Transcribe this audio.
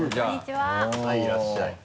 はいいらっしゃい。